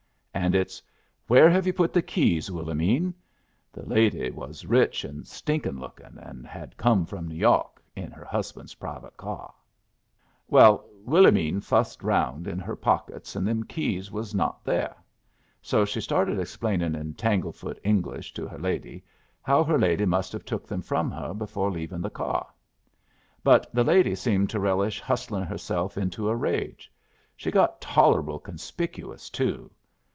And it's 'Where have you put the keys, Willomene?' The lady was rich and stinkin' lookin', and had come from New Yawk in her husband's private cyar. "Well, Willomene fussed around in her pockets, and them keys was not there. So she started explaining in tanglefoot English to her lady how her lady must have took them from her before leavin' the cyar. But the lady seemed to relish hustlin' herself into a rage. She got tolerable conspicuous, too.